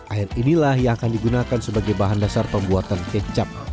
air inilah yang akan digunakan sebagai bahan dasar pembuatan kecap